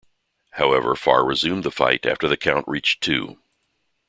However, Farr resumed the fight after the count reached two.